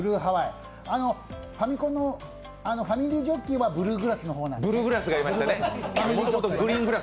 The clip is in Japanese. ファミコンのファミリージョッキーはブルーグラスの方でね。